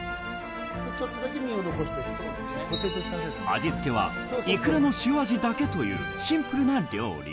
味つけはイクラの塩味だけというシンプルな料理。